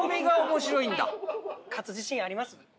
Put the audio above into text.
勝つ自信あります？